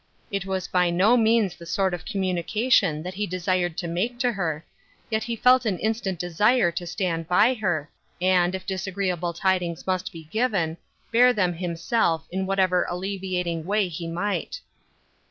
It was by no means the sort of communication that he desired to make to her, yet he felt an instant desire to stand by her, and, if disagreeable tidings must be given, bear them himself, in whatever alleviating way he might.